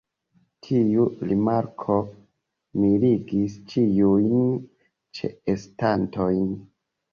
Tiu rimarko mirigis ĉiujn ĉeestantojn.